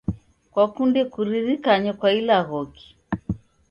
Kwakunde kuririkanyo kwa ilaghoki?